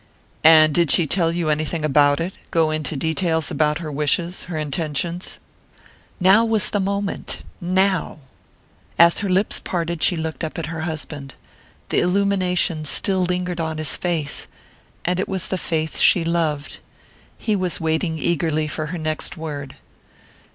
"And did she tell you anything about it, go into details about her wishes, her intentions?" Now was the moment now! As her lips parted she looked up at her husband. The illumination still lingered on his face and it was the face she loved. He was waiting eagerly for her next word.